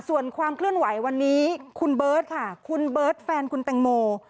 ส่วนความเคลื่อนไหววันนี้คุณเบิร์ตค่ะคุณเบิร์ตแฟนคุณแตงโม